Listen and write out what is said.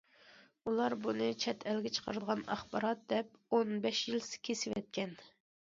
ئۇلار بۇنى چەت ئەلگە چىقىرىدىغان ئاخبارات دەپ ئون بەش يىل كېسىۋەتكەن.